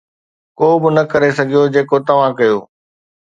ڪو به نه ڪري سگهيو جيڪو توهان ڪيو